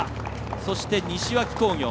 そして、西脇工業。